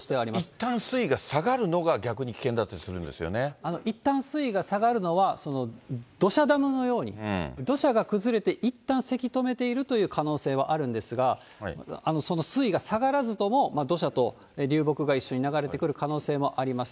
いったん水位が下がるのが、いったん水位が下がるのは、土砂ダムのように、土砂が崩れていったんせき止めているという可能性はあるんですが、その水位が下がらずとも、土砂と流木が一緒に流れてくる可能性もあります。